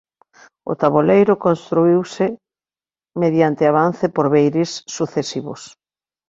O taboleiro construíse mediante avance por beirís sucesivos.